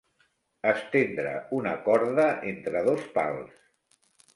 Estendre una corda entre dos pals.